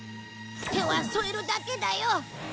手は添えるだけだよ！